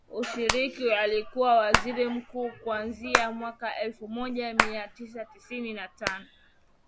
Ushirika Alikuwa Waziri Mkuu kuanzia mwaka elfu moja mia tisa tisini na tano hadi